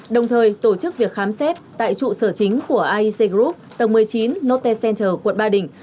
đồng thời tổ chức việc khám xét tại trụ sở chính của aic group tầng một mươi chín note center quận ba đình